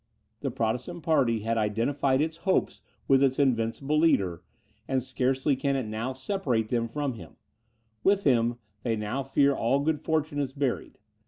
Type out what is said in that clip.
The Protestant party had identified its hopes with its invincible leader, and scarcely can it now separate them from him; with him, they now fear all good fortune is buried.